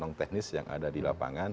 dan non teknis yang ada di lapangan